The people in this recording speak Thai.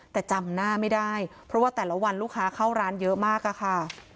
แต่จำหน้าไม่ได้เพราะว่าแต่ละวันลูกค้าเข้าร้านเยอะมากอะค่ะ